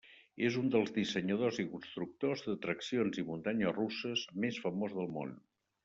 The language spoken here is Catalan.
És un dels dissenyadors i constructors d'atraccions i muntanyes russes més famós del món.